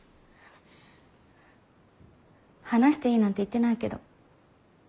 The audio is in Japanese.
話していいなんて言ってないけど。